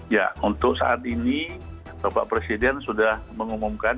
ya untuk saat ini bapak presiden sudah mengumumkan